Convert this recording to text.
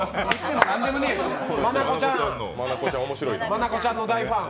眞子ちゃんの大ファン！